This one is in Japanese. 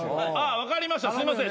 分かりましたすいません。